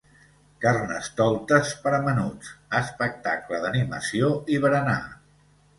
Carnestoltes per a menuts: espectacle d'animació i berenar.